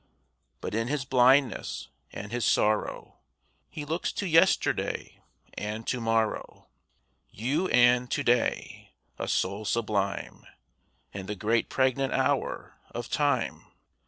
But in his blindness and his sorrow He looks to yesterday and to morrow. You and to day! a soul sublime And the great pregnant hour of time.